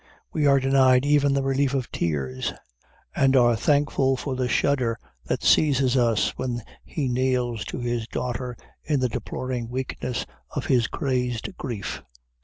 We are denied even the relief of tears; and are thankful for the shudder that seizes us when he kneels to his daughter in the deploring weakness of his crazed grief.